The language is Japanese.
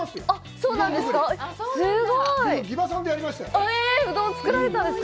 そうなんですか。